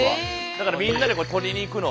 だからみんなでとりに行くの。